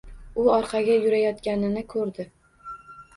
U orqaga yurayotganini koʻrdi.